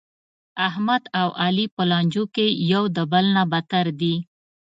احمد او علي په لانجو کې یو د بل نه بتر دي.